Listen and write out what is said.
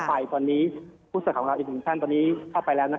คนสุขของเราอีกหนึ่งแหลงตอนนี้เข้าไปแล้ว